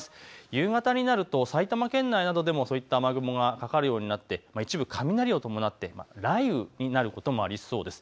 夕方になると埼玉県内などでもそういった雨雲がかかるようになって一部、雷を伴って雷雨になることもありそうです。